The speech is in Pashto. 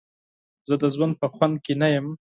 زه د ژوند په خوند کې نه یم.